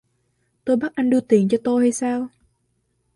tôi bắt anh đưa tiền cho tôi hay sao